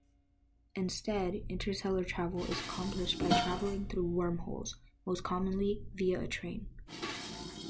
Instead, interstellar travel is accomplished by travelling through wormholes, most commonly via a train.